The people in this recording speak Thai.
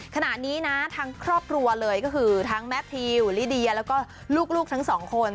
ขณะนี้นะทั้งครอบครัวเลยก็คือทั้งแมททิวลิเดียแล้วก็ลูกทั้งสองคน